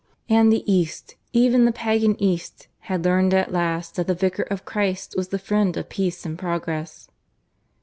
And the East even the pagan East had learned at last that the Vicar of Christ was the Friend of Peace and Progress.